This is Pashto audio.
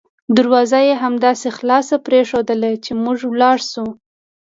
دروازه یې همداسې خلاصه پریښودله چې موږ ولاړ شوو.